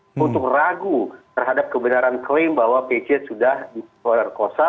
saya tidak akan ragu terhadap kebenaran klaim bahwa pc sudah diseluruh perkosa